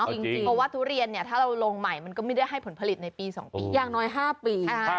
เพราะว่าถ้าแบบว่าทุเรียนลงใหม่มันก็ไม่ได้ให้ผลผลิตในปี๒๕ปี